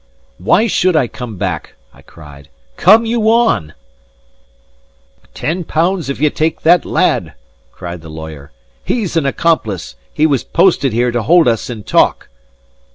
"Why should I come back?" I cried. "Come you on!" "Ten pounds if ye take that lad!" cried the lawyer. "He's an accomplice. He was posted here to hold us in talk."